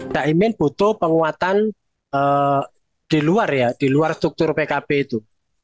caimin butuh penguatan di luar struktur pkb itu